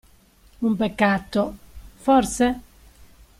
Un peccato, forse?